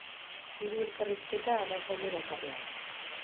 Hiru elkarrizketa, arratsalde bakarrean.